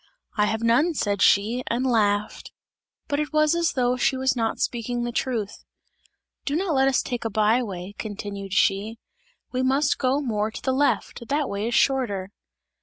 "I have none!" said she, and laughed; but it was as though she was not speaking the truth. "Do not let us take a by way," continued she, "we must go more to the left, that way is shorter!"